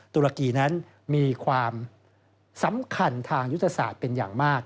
ตุรกีนั้นมีความสำคัญทางยุทธศาสตร์เป็นอย่างมาก